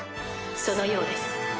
そのようです。